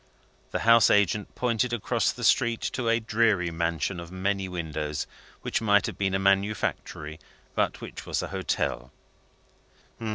The house agent pointed across the street to a dreary mansion of many windows, which might have been a manufactory, but which was an hotel.